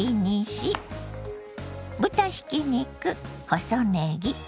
豚ひき肉細ねぎ